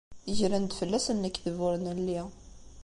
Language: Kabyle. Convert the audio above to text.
Gren-d fell-asen lekdeb ur nelli.